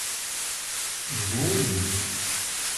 Gruri.